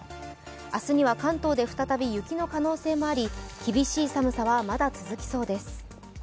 明日には関東で再び雪の可能性もあり、厳しい寒さはまだ続きそうです。